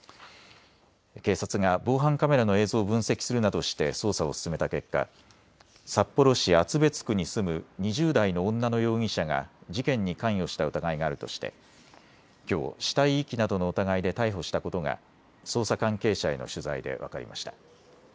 警察が防犯カメラの映像を分析するなどして捜査を進めた結果、札幌市厚別区に住む２０代の女の容疑者が事件に関与した疑いがあるとしてきょう死体遺棄などの疑いで逮捕したことが捜査関係者への取材で分かりました。